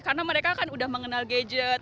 karena mereka kan udah mengenal gadget